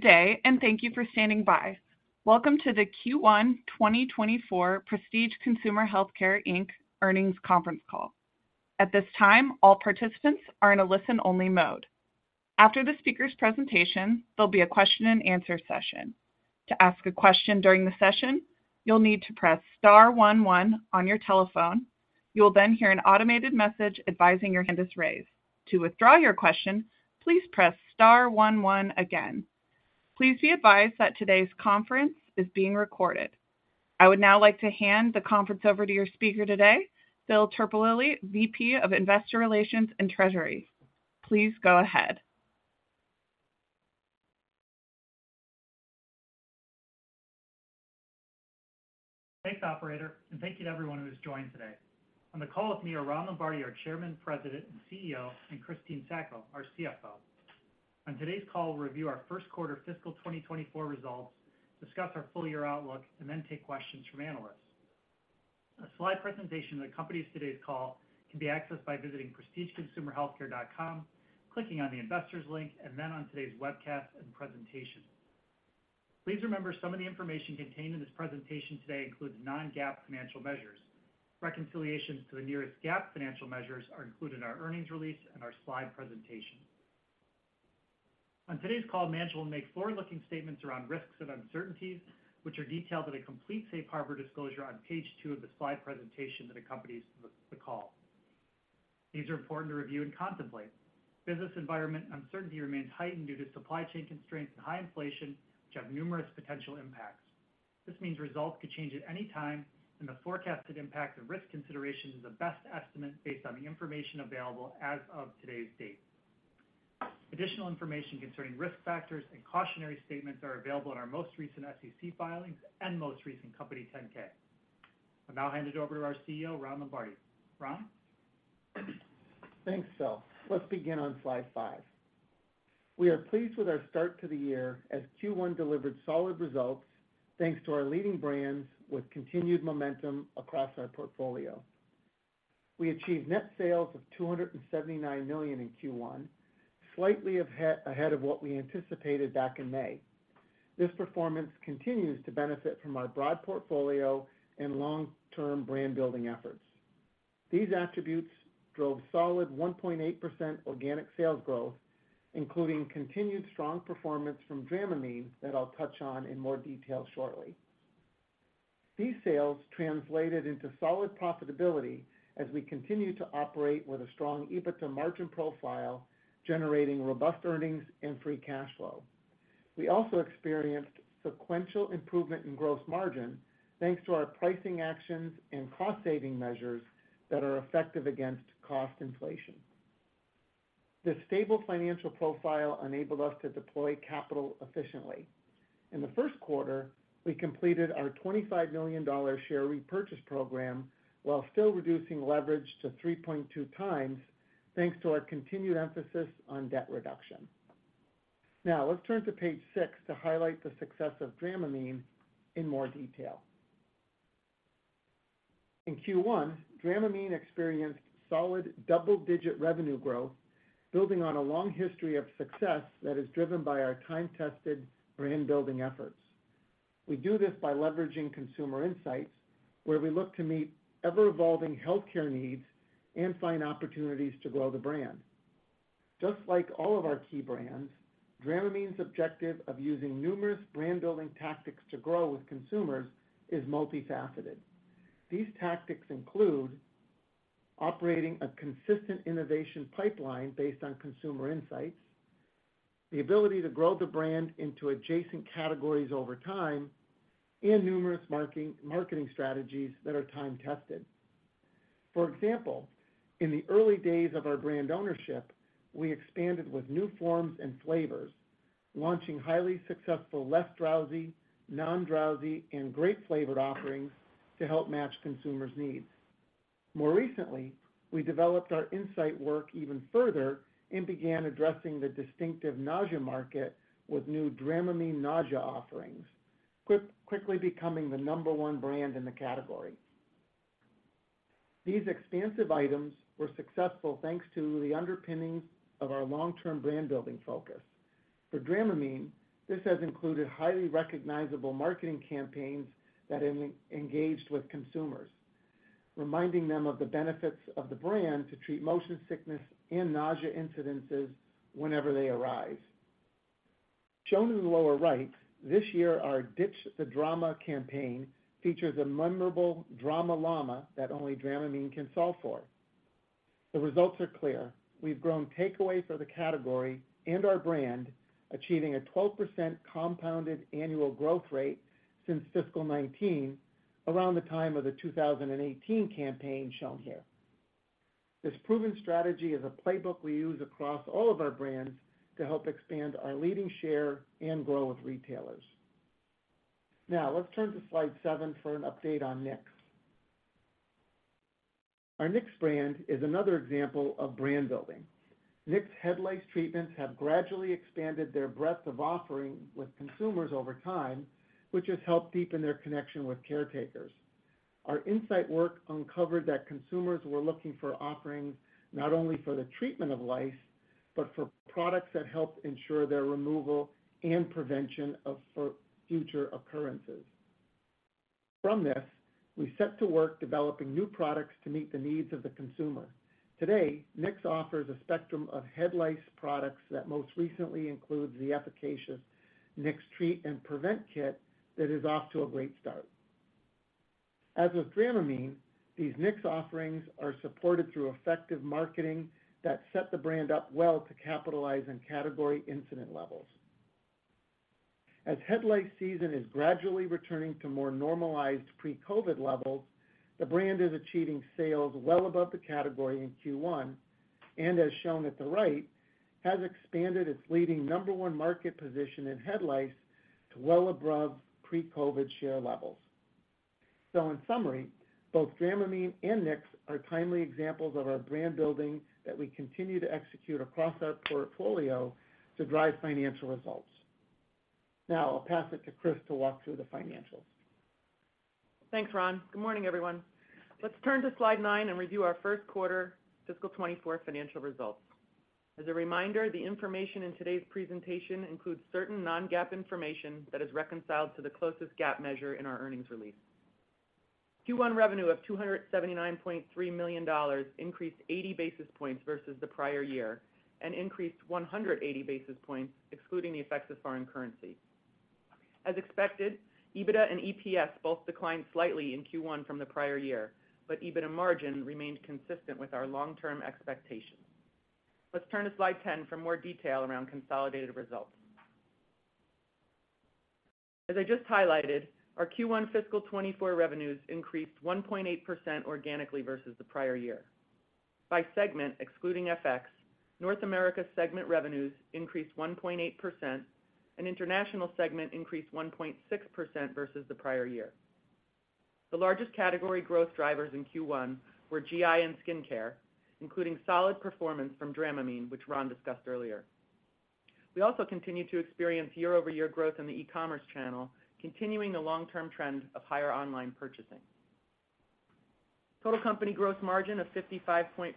Good day, and thank you for standing by. Welcome to the Q1 2024 Prestige Consumer Healthcare Inc. Earnings Conference Call. At this time, all participants are in a listen-only mode. After the speaker's presentation, there'll be a question-and-answer session. To ask a question during the session, you'll need to press star one one on your telephone. You will then hear an automated message advising your hand is raised. To withdraw your question, please press star one one again. Please be advised that today's conference is being recorded. I would now like to hand the conference over to your speaker today, Phil Terpolilli, VP of Investor Relations and Treasury. Please go ahead. Thanks, operator. Thank you to everyone who has joined today. On the call with me are Ron Lombardi, our Chairman, President, and CEO, and Christine Sacco, our CFO. On today's call, we'll review our Q1 fiscal 2024 results, discuss our full-year outlook, and then take questions from analysts. A slide presentation that accompanies today's call can be accessed by visiting prestigeconsumerhealthcare.com, clicking on the Investors link, and then on today's webcast and presentation. Please remember, some of the information contained in this presentation today includes non-GAAP financial measures. Reconciliations to the nearest GAAP financial measures are included in our earnings release and our slide presentation. On today's call, management will make forward-looking statements around risks and uncertainties, which are detailed in a complete Safe Harbor disclosure on page two of the slide presentation that accompanies the call. These are important to review and contemplate. Business environment uncertainty remains heightened due to supply chain constraints and high inflation, which have numerous potential impacts. This means results could change at any time, and the forecasted impact of risk consideration is the best estimate based on the information available as of today's date. Additional information concerning risk factors and cautionary statements are available in our most recent SEC filings and most recent Company 10-K. I'll now hand it over to our CEO, Ron Lombardi. Ron? Thanks, Phil. Let's begin on slide five. We are pleased with our start to the year, as Q1 delivered solid results, thanks to our leading brands with continued momentum across our portfolio. We achieved net sales of $279 million in Q1, slightly ahead of what we anticipated back in May. This performance continues to benefit from our broad portfolio and long-term brand building efforts. These attributes drove solid 1.8% organic sales growth, including continued strong performance from Dramamine that I'll touch on in more detail shortly. These sales translated into solid profitability as we continue to operate with a strong EBITDA margin profile, generating robust earnings and free cash flow. We also experienced sequential improvement in gross margin, thanks to our pricing actions and cost-saving measures that are effective against cost inflation. This stable financial profile enabled us to deploy capital efficiently. In the Q1, we completed our $25 million share repurchase program, while still reducing leverage to 3.2 times, thanks to our continued emphasis on debt reduction. Let's turn to page six to highlight the success of Dramamine in more detail. In Q1, Dramamine experienced solid double-digit revenue growth, building on a long history of success that is driven by our time-tested brand building efforts. We do this by leveraging consumer insights, where we look to meet ever-evolving healthcare needs and find opportunities to grow the brand. Just like all of our key brands, Dramamine's objective of using numerous brand-building tactics to grow with consumers is multifaceted. These tactics include operating a consistent innovation pipeline based on consumer insights, the ability to grow the brand into adjacent categories over time, and numerous marketing strategies that are time-tested. For example, in the early days of our brand ownership, we expanded with new forms and flavors, launching highly successful less drowsy, non-drowsy, and great flavored offerings to help match consumers' needs. More recently, we developed our insight work even further and began addressing the distinctive nausea market with new Dramamine Nausea offerings, quickly becoming the number one brand in the category. These expansive items were successful thanks to the underpinnings of our long-term brand building focus. For Dramamine, this has included highly recognizable marketing campaigns that engaged with consumers, reminding them of the benefits of the brand to treat motion sickness and nausea incidences whenever they arise. Shown in the lower right, this year, our Ditch the Drama campaign features a memorable Drama Llama that only Dramamine can solve for. The results are clear. We've grown takeaway for the category and our brand, achieving a 12% compounded annual growth rate since fiscal 2019, around the time of the 2018 campaign shown here. This proven strategy is a playbook we use across all of our brands to help expand our leading share and grow with retailers. Now, let's turn to slide seven for an update on Nix. Our Nix brand is another example of brand building. Nix head lice treatments have gradually expanded their breadth of offering with consumers over time, which has helped deepen their connection with caretakers. Our insight work uncovered that consumers were looking for offerings, not only for the treatment of lice, but for products that help ensure their removal and prevention of, for future occurrences. From this, we set to work developing new products to meet the needs of the consumer. Today, Nix offers a spectrum of head lice products that most recently includes the efficacious Nix Treat and Prevent Kit that is off to a great start. As with Dramamine, these Nix offerings are supported through effective marketing that set the brand up well to capitalize on category incident levels. As head lice season is gradually returning to more normalized pre-COVID levels, the brand is achieving sales well above the category in Q1, and as shown at the right, has expanded its leading number one market position in head lice to well above pre-COVID share levels. In summary, both Dramamine and Nix are timely examples of our brand building that we continue to execute across our portfolio to drive financial results. Now, I'll pass it to Chris to walk through the financials. Thanks, Ron. Good morning, everyone. Let's turn to slide nine and review our Q1 fiscal 2024 financial results. As a reminder, the information in today's presentation includes certain non-GAAP information that is reconciled to the closest GAAP measure in our earnings release. Q1 revenue of $279.3 million increased 80 basis points versus the prior year, and increased 180 basis points, excluding the effects of foreign currency. As expected, EBITDA and EPS both declined slightly in Q1 from the prior year, but EBITDA margin remained consistent with our long-term expectations. Let's turn to slide 10 for more detail around consolidated results. As I just highlighted, our Q1 fiscal 2024 revenues increased 1.8% organically versus the prior year. By segment, excluding FX, North America segment revenues increased 1.8%, and International segment increased 1.6% versus the prior year. The largest category growth drivers in Q1 were GI and skincare, including solid performance from Dramamine, which Ron discussed earlier. We also continued to experience year-over-year growth in the e-commerce channel, continuing the long-term trend of higher online purchasing. Total company gross margin of 55.4%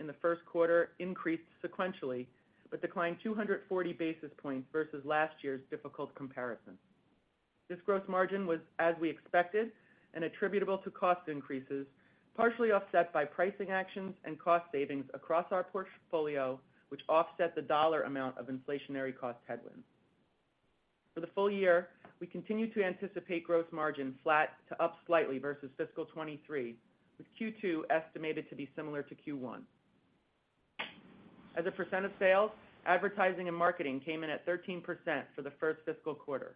in the Q1 increased sequentially, but declined 240 basis points versus last year's difficult comparison. This gross margin was as we expected and attributable to cost increases, partially offset by pricing actions and cost savings across our portfolio, which offset the dollar amount of inflationary cost headwinds. For the full year, we continue to anticipate gross margin flat to up slightly versus fiscal 2023, with Q2 estimated to be similar to Q1. As a percent of sales, advertising and marketing came in at 13% for the 1st fiscal quarter.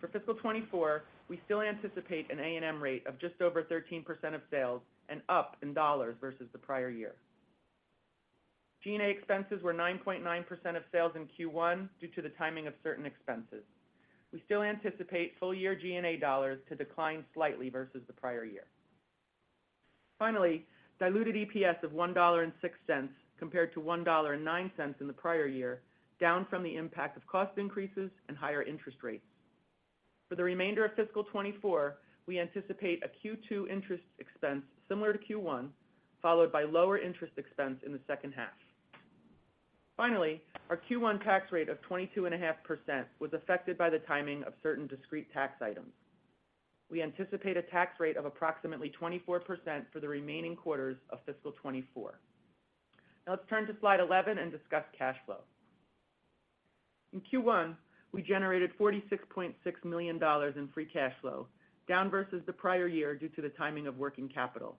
For fiscal 2024, we still anticipate an A&M rate of just over 13% of sales and up in dollars versus the prior year. G&A expenses were 9.9% of sales in Q1 due to the timing of certain expenses. We still anticipate full-year G&A dollars to decline slightly versus the prior year. Diluted EPS of $1.06, compared to $1.09 in the prior year, down from the impact of cost increases and higher interest rates. For the remainder of fiscal 2024, we anticipate a Q2 interest expense similar to Q1, followed by lower interest expense in the second half. Our Q1 tax rate of 22.5% was affected by the timing of certain discrete tax items. We anticipate a tax rate of approximately 24% for the remaining quarters of fiscal 2024. Now, let's turn to slide 11 and discuss cash flow. In Q1, we generated $46.6 million in free cash flow, down versus the prior year due to the timing of working capital.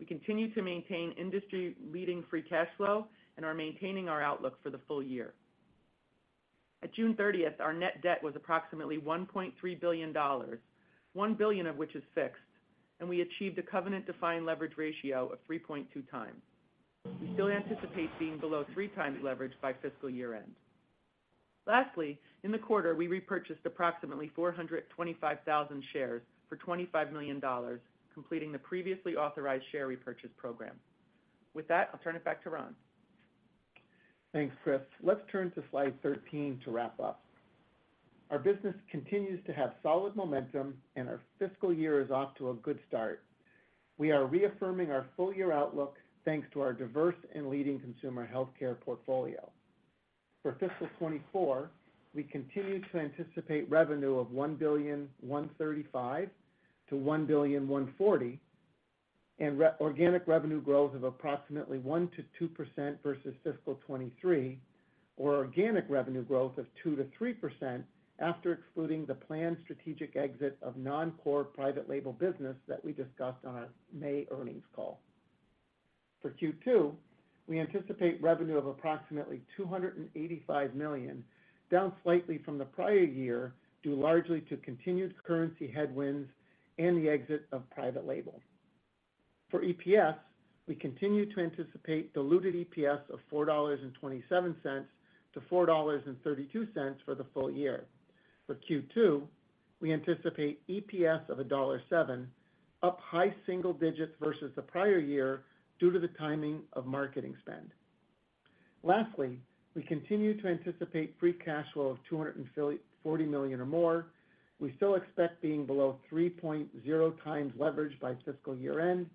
We continue to maintain industry-leading free cash flow and are maintaining our outlook for the full year. At June 30th, our net debt was approximately $1.3 billion, $1 billion of which is fixed, and we achieved a covenant-defined leverage ratio of 3.2x. We still anticipate being below 3x leverage by fiscal year-end. Lastly, in the quarter, we repurchased approximately 425,000 shares for $25 million, completing the previously authorized share repurchase program. With that, I'll turn it back to Ron. Thanks, Chris. Let's turn to slide 13 to wrap up. Our business continues to have solid momentum and our fiscal year is off to a good start. We are reaffirming our full-year outlook, thanks to our diverse and leading consumer healthcare portfolio. For fiscal 2024, we continue to anticipate revenue of $1.135 billion-$1.140 billion, and organic revenue growth of approximately 1%-2% versus fiscal 2023, or organic revenue growth of 2%-3% after excluding the planned strategic exit of non-core private label business that we discussed on our May earnings call. For Q2, we anticipate revenue of approximately $285 million, down slightly from the prior year, due largely to continued currency headwinds and the exit of private label. For EPS, we continue to anticipate diluted EPS of $4.27-$4.32 for the full year. For Q2, we anticipate EPS of $1.07, up high single digits versus the prior year due to the timing of marketing spend. Lastly, we continue to anticipate free cash flow of $240 million or more. We still expect being below 3.0x leverage by fiscal year-end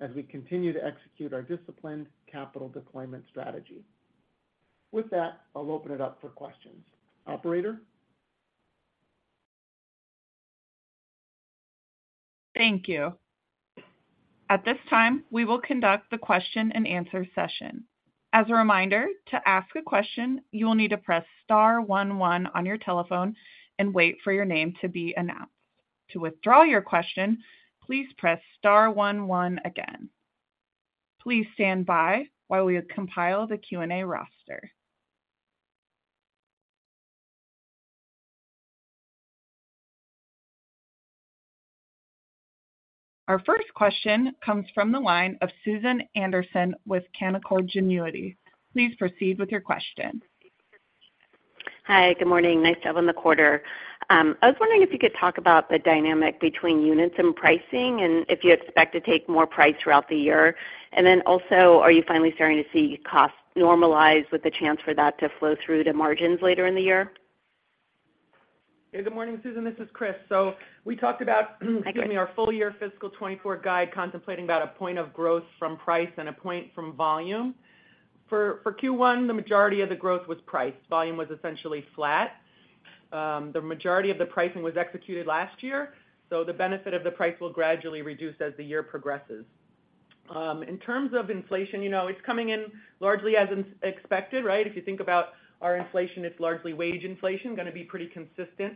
as we continue to execute our disciplined capital deployment strategy. With that, I'll open it up for questions. Operator? Thank you. At this time, we will conduct the question-and-answer session. As a reminder, to ask a question, you will need to press star one one on your telephone and wait for your name to be announced. To withdraw your question, please press star one one again. Please stand by while we compile the Q&A roster. Our first question comes from the line of Susan Anderson with Canaccord Genuity. Please proceed with your question. Hi, good morning. Nice to have on the quarter. I was wondering if you could talk about the dynamic between units and pricing, and if you expect to take more price throughout the year. Also, are you finally starting to see costs normalize with the chance for that to flow through to margins later in the year? Hey, good morning, Susan. This is Chris. We talked about. Hi, Chris. Excuse me, our full-year fiscal 2024 guide contemplating about one point of growth from price and one point from volume. For Q1, the majority of the growth was price. Volume was essentially flat. The majority of the pricing was executed last year, so the benefit of the price will gradually reduce as the year progresses. In terms of inflation, you know, it's coming in largely as expected, right? If you think about our inflation, it's largely wage inflation, gonna be pretty consistent.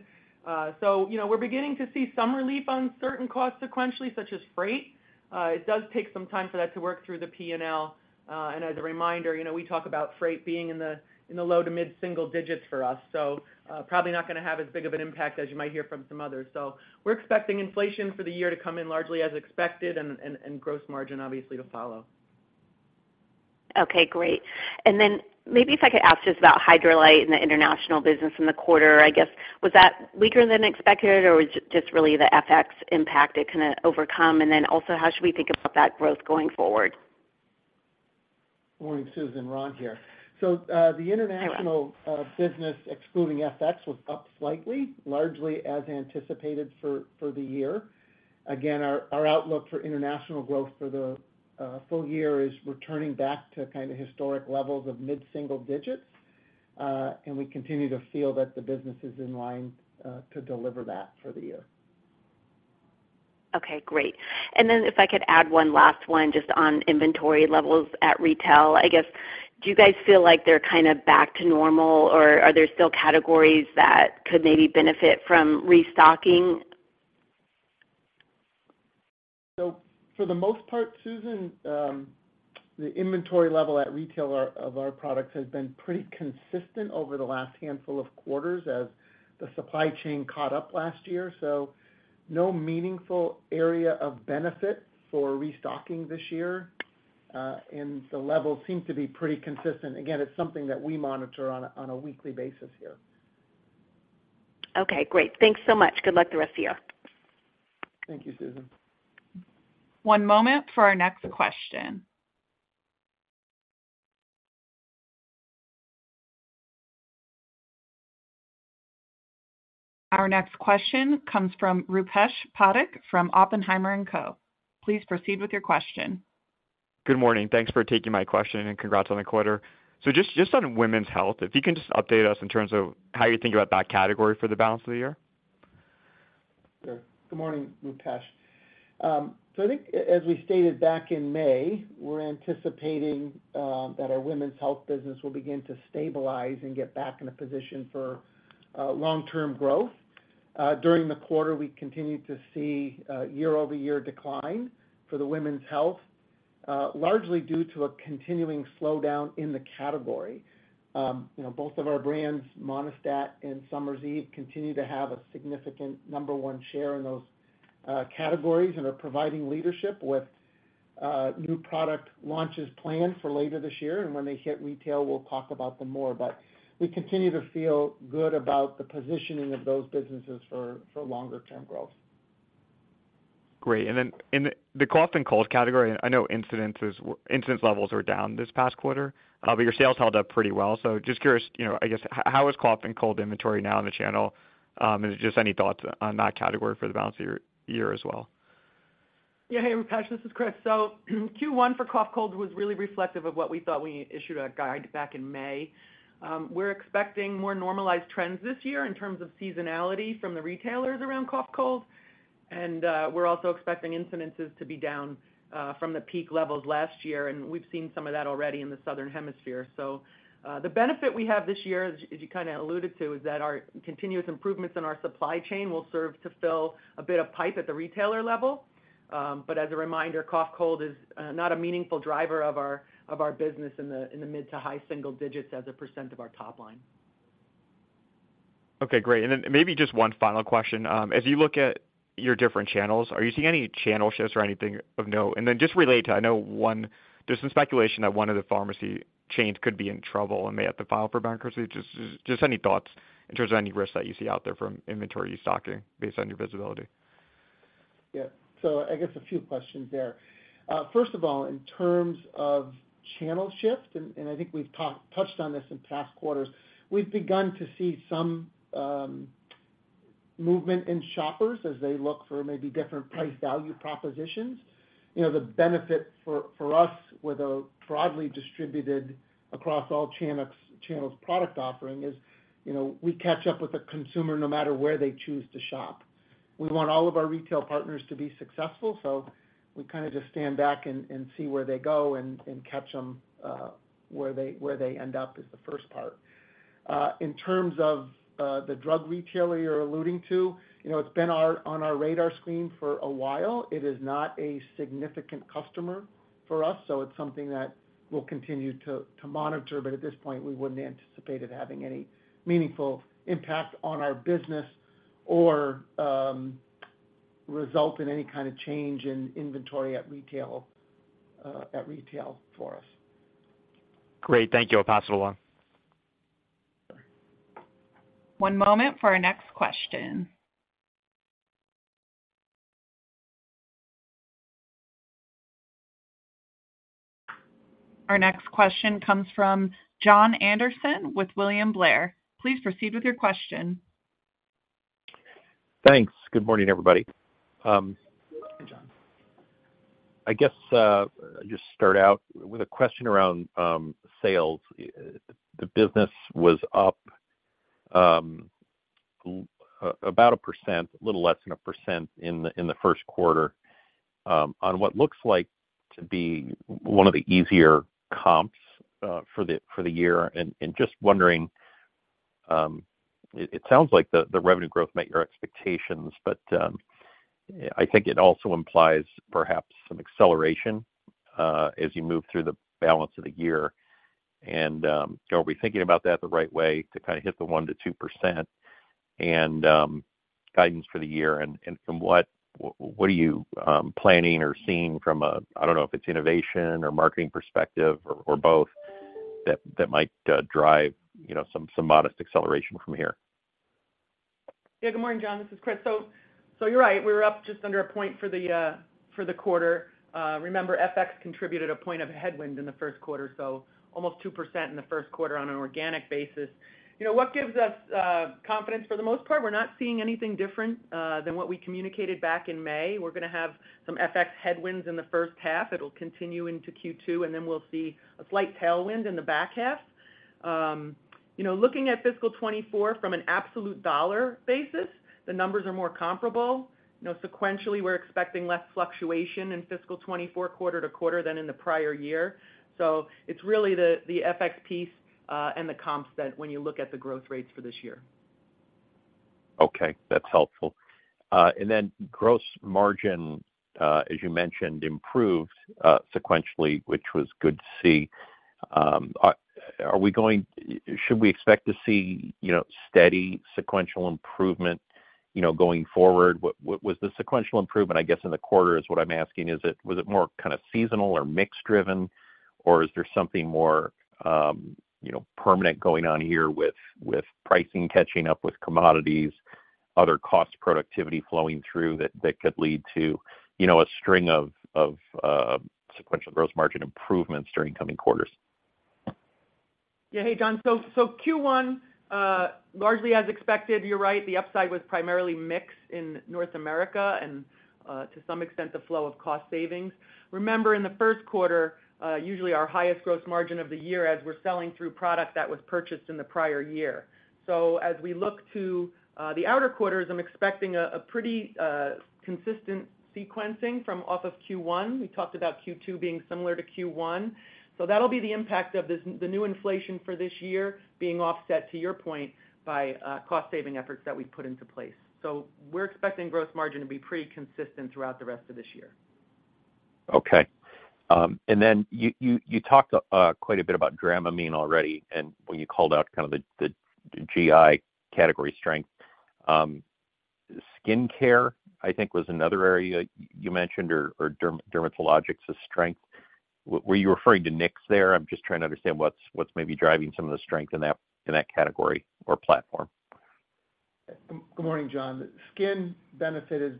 You know, we're beginning to see some relief on certain costs sequentially, such as freight. It does take some time for that to work through the PNL. As a reminder, you know, we talk about freight being in the, in the low to mid-single digits for us, so probably not gonna have as big of an impact as you might hear from some others. We're expecting inflation for the year to come in largely as expected and, and, and gross margin, obviously, to follow. Okay, great. Maybe if I could ask just about Hydralyte and the International business in the quarter. I guess, was that weaker than expected, or was it just really the FX impact it kind of overcome? How should we think about that growth going forward? Morning, Susan, Ron here. Hi, Ron. The International business, excluding FX, was up slightly, largely as anticipated for the year. Our outlook for International growth for the full year is returning back to kind of historic levels of mid-single digits. We continue to feel that the business is in line to deliver that for the year. Okay, great. If I could add one last one just on inventory levels at retail. I guess, do you guys feel like they're kind of back to normal, or are there still categories that could maybe benefit from restocking? For the most part, Susan, the inventory level of our products has been pretty consistent over the last handful of quarters as the supply chain caught up last year. No meaningful area of benefit for restocking this year, and the levels seem to be pretty consistent. Again, it's something that we monitor on a weekly basis here. Okay, great. Thanks so much. Good luck the rest of you. Thank you, Susan. One moment for our next question. Our next question comes from Rupesh Parikh from Oppenheimer & Co. Please proceed with your question. Good morning. Thanks for taking my question, congrats on the quarter. Just, just on women's health, if you can just update us in terms of how you think about that category for the balance of the year. Sure. Good morning, Rupesh. I think as we stated back in May, we're anticipating that our women's health business will begin to stabilize and get back in a position for long-term growth. During the quarter, we continued to see a year-over-year decline for the women's health, largely due to a continuing slowdown in the category. You know, both of our brands, Monistat and Summer's Eve, continue to have a significant number one share in those categories and are providing leadership with new product launches planned for later this year. When they hit retail, we'll talk about them more. We continue to feel good about the positioning of those businesses for, for longer term growth. Great. Then in the, the cough and cold category, I know incidences were-- incidence levels were down this past quarter, but your sales held up pretty well. Just curious, you know, I guess, how is cough and cold inventory now in the channel? And just any thoughts on that category for the balance of your year as well? Yeah. Hey, Rupesh, this is Chris. Q1 for cough cold was really reflective of what we thought we issued a guide back in May. We're expecting more normalized trends this year in terms of seasonality from the retailers around cough cold. We're also expecting incidences to be down from the peak levels last year, and we've seen some of that already in the Southern Hemisphere. The benefit we have this year, as, as you kinda alluded to, is that our continuous improvements in our supply chain will serve to fill a bit of pipe at the retailer level. As a reminder, cough cold is not a meaningful driver of our business in the mid-to-high single digits as a % of our top line. Okay, great. Maybe just one final question. As you look at your different channels, are you seeing any channel shifts or anything of note? Just related to, there's some speculation that one of the pharmacy chains could be in trouble and may have to file for bankruptcy. Any thoughts in terms of any risks that you see out there from inventory stocking based on your visibility? Yeah, so I guess a few questions there. First of all, in terms of channel shift, and I think we've touched on this in past quarters, we've begun to see some movement in shoppers as they look for maybe different price value propositions. You know, the benefit for us, with a broadly distributed across all channels product offering is, you know, we catch up with the consumer no matter where they choose to shop. We want all of our retail partners to be successful, so we kinda just stand back and see where they go and catch them where they end up, is the first part. In terms of the drug retailer you're alluding to, you know, it's been on our radar screen for a while. It is not a significant customer for us, so it's something that we'll continue to, to monitor, but at this point, we wouldn't anticipate it having any meaningful impact on our business or, result in any kind of change in inventory at retail, at retail for us. Great. Thank you. I'll pass it along. One moment for our next question. Our next question comes from Jon Andersen with William Blair. Please proceed with your question. Thanks. Good morning, everybody. Hey, Jon. I guess, just start out with a question around sales. The business was up, about 1%, a little less than 1% in the Q1, on what looks like to be one of the easier comps for the year. Just wondering, it sounds like the revenue growth met your expectations, but I think it also implies perhaps some acceleration as you move through the balance of the year. Are we thinking about that the right way to kinda hit the 1%-2%? Guidance for the year, and from what, what are you planning or seeing from a, I don't know if it's innovation or marketing perspective or both, that might drive, you know, some modest acceleration from here? Yeah, good morning, Jon. This is Chris. So you're right, we were up just under one point for the for the quarter. Remember, FX contributed one point of headwind in the Q1, so almost 2% in the Q1 on an organic basis. You know, what gives us confidence? For the most part, we're not seeing anything different than what we communicated back in May. We're gonna have some FX headwinds in the first half. It'll continue into Q2, and then we'll see a slight tailwind in the back half. You know, looking at fiscal 2024 from an absolute dollar basis, the numbers are more comparable. You know, sequentially, we're expecting less fluctuation in fiscal 2024 quarter to quarter than in the prior year. It's really the, the FX piece, and the comps that when you look at the growth rates for this year. Okay, that's helpful. Then gross margin, as you mentioned, improved sequentially, which was good to see. Should we expect to see, you know, steady sequential improvement, you know, going forward? Was the sequential improvement, I guess, in the quarter, is what I'm asking, was it more kind of seasonal or mix driven, or is there something more, you know, permanent going on here with, with pricing catching up with commodities, other cost productivity flowing through that, that could lead to, you know, a string of, of sequential gross margin improvements during coming quarters? Yeah. Hey, Jon. Q1, largely as expected, you're right, the upside was primarily mixed in North America and to some extent, the flow of cost savings. Remember, in the Q1, usually our highest gross margin of the year, as we're selling through product that was purchased in the prior year. As we look to the outer quarters, I'm expecting a pretty consistent sequencing from off of Q1. We talked about Q2 being similar to Q1. That'll be the impact of this, the new inflation for this year, being offset, to your point, by cost saving efforts that we've put into place. We're expecting gross margin to be pretty consistent throughout the rest of this year. Okay. Then you, you, you talked quite a bit about Dramamine already, and when you called out kind of the, the GI category strength. Skincare, I think, was another area you mentioned or, or derm- dermatologics as strength. W- were you referring to Nix there? I'm just trying to understand what's, what's maybe driving some of the strength in that, in that category or platform. Good morning, Jon. Skin benefited,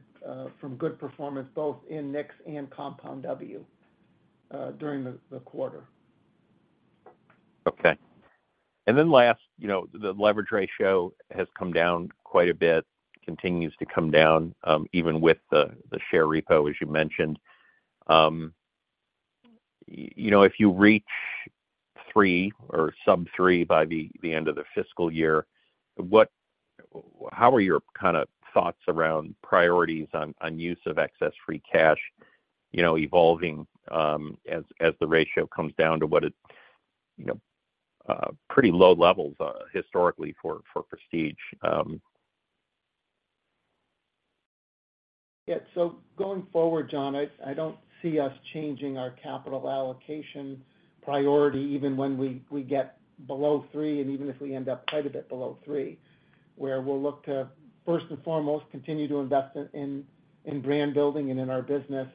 from good performance, both in Nix and Compound W, during the quarter. Okay. Then last, you know, the leverage ratio has come down quite a bit, continues to come down, even with the, the share repo, as you mentioned. You know, if you reach three or sub three by the, the end of the fiscal year, how are your kinda thoughts around priorities on, on use of excess free cash, you know, evolving, as, as the ratio comes down to what it, you know, pretty low levels, historically for, for Prestige? Yeah. Going forward, Jon, I, I don't see us changing our capital allocation priority, even when we, we get below three and even if we end up quite a bit below three, where we'll look to, first and foremost, continue to invest in, in brand building and in our business.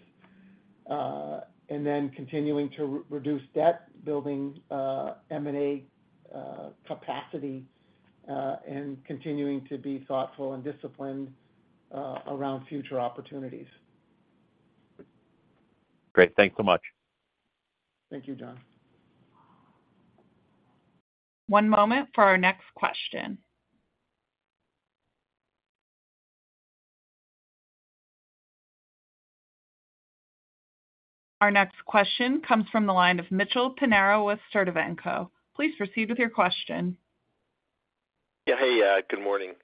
And then continuing to reduce debt, building M&A capacity, and continuing to be thoughtful and disciplined around future opportunities. Great. Thanks so much. Thank you, Jon. One moment for our next question. Our next question comes from the line of Mitchell Pinheiro with Sturdivant & Co. Please proceed with your question. Yeah, hey, good morning.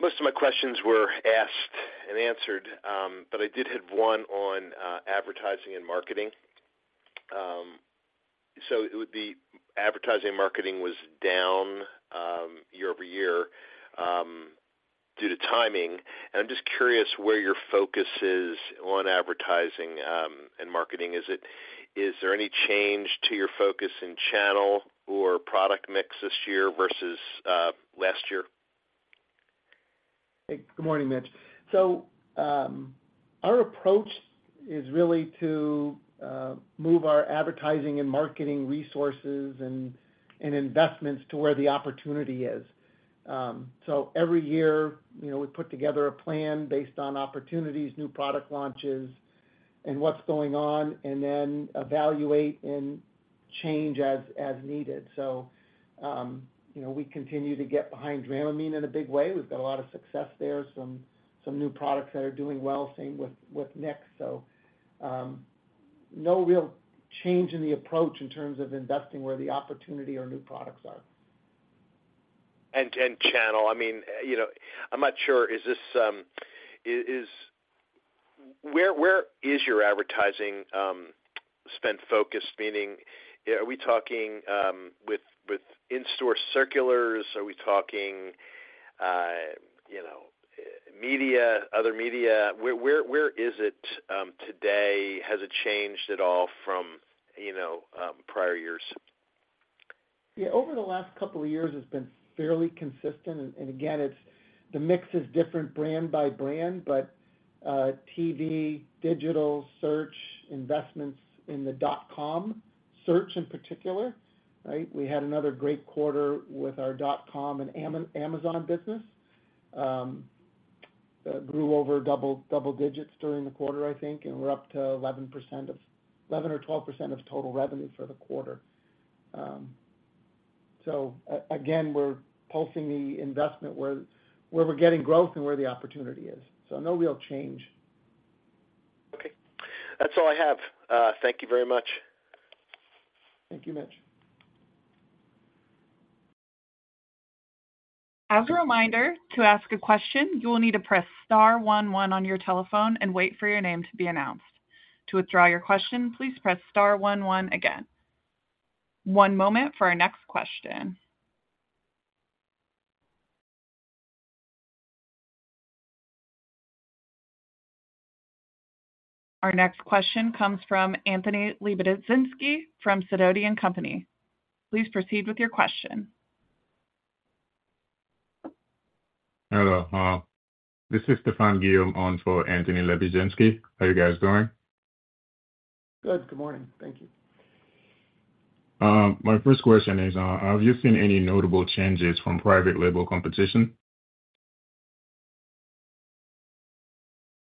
Most of my questions were asked and answered, but I did have one on advertising and marketing. It would be advertising and marketing was down year-over-year due to timing. I'm just curious where your focus is on advertising and marketing. Is there any change to your focus in channel or product mix this year versus last year? Hey, good morning, Mitchell. Our approach is really to move our advertising and marketing resources and investments to where the opportunity is. Every year, you know, we put together a plan based on opportunities, new product launches, and what's going on, and then evaluate and change as needed. You know, we continue to get behind Dramamine in a big way. We've got a lot of success there, some new products that are doing well, same with Nix. No real change in the approach in terms of investing where the opportunity or new products are. Channel, I mean, you know, I'm not sure, is this, where, where is your advertising spend focused? Meaning, are we talking, with, with in-store circulars? Are we talking, you know, media, other media? Where, where, where is it today? Has it changed at all from, you know, prior years? Yeah, over the last couple of years, it's been fairly consistent. Again, it's, the mix is different brand by brand, but TV, digital, search, investments in the dot com, search in particular, right? We had another great quarter with our dot com and Amazon business. grew over double digits during the quarter, I think, and we're up to 11% of 11% or 12% of total revenue for the quarter. Again, we're pulsing the investment where, where we're getting growth and where the opportunity is, so no real change. Okay. That's all I have. Thank you very much. Thank you, Mitch. As a reminder, to ask a question, you will need to press star one one on your telephone and wait for your name to be announced. To withdraw your question, please press star one one again. One moment for our next question. Our next question comes from Anthony Lebiedzinski from Sidoti & Company. Please proceed with your question. Hello, this is Stefan Gill on for Anthony Lebiedzinski. How are you guys doing? Good. Good morning. Thank you. My first question is, have you seen any notable changes from private label competition?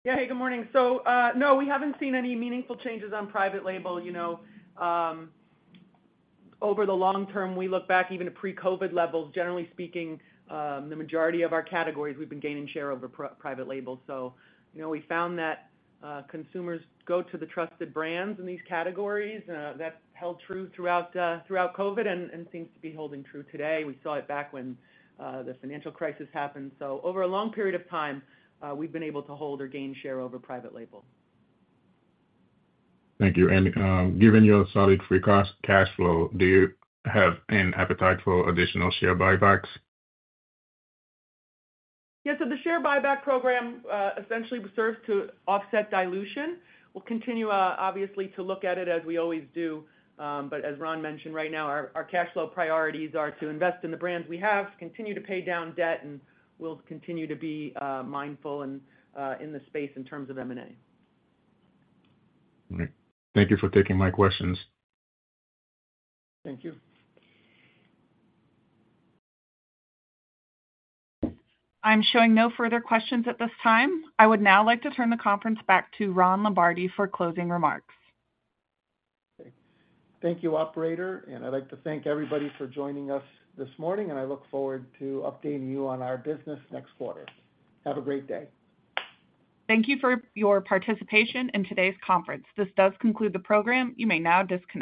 Yeah. Hey, good morning. No, we haven't seen any meaningful changes on private label. You know, over the long term, we look back even at pre-COVID levels. Generally speaking, the majority of our categories, we've been gaining share over private label. You know, we found that consumers go to the trusted brands in these categories, that held true throughout COVID and seems to be holding true today. We saw it back when the financial crisis happened. Over a long period of time, we've been able to hold or gain share over private label. Thank you. Given your solid free cost cash flow, do you have an appetite for additional share buybacks? Yes. The share buyback program, essentially serves to offset dilution. We'll continue, obviously to look at it as we always do, but as Ron mentioned, right now, our, our cash flow priorities are to invest in the brands we have, continue to pay down debt, and we'll continue to be mindful and in the space in terms of M&A. All right. Thank you for taking my questions. Thank you. I'm showing no further questions at this time. I would now like to turn the conference back to Ron Lombardi for closing remarks. Thank you, operator. I'd like to thank everybody for joining us this morning. I look forward to updating you on our business next quarter. Have a great day. Thank you for your participation in today's conference. This does conclude the program. You may now disconnect.